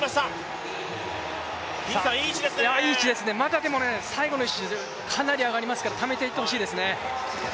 いい位置ですね、まだ最後の１周でかなり上がりますからためていってほしいですね。